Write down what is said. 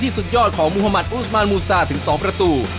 ที่สุดยอดของมหมาตอูสมานมูซาถึงสองประตู